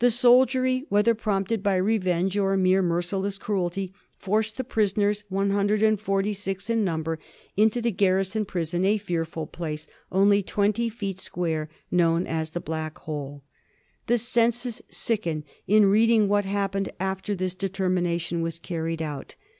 The soldiery, whether prompted by revenge or mere mer ciless cruelty, forced the prisoners, one hundred and forty six in number, into the garrison prison — ^a fearful place, only twenty feet square, known as the Blackhole. The senses sicken in reading what happened after this deter mination was carried out.